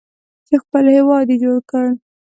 چې خپل هیواد یې جوړ کړ.